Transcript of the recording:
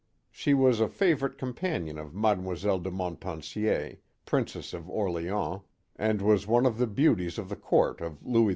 She was a favorite com panion of Mademoiselle de Montpensier, Princess of Orleans, and was one of the beauties of the Court of Louis XV.